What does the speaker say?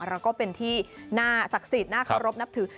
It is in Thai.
แล้วก็เป็นที่น่าศักดิ์สิทธิ์น่าเคารพนับถือ